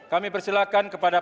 kami persilakan kepada